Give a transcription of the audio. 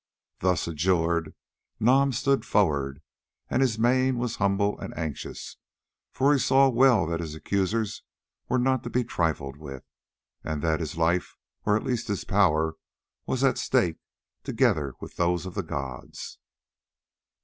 Thus adjured, Nam stood forward, and his mien was humble and anxious, for he saw well that his accusers were not to be trifled with, and that his life, or at least his power, was at stake, together with those of the gods.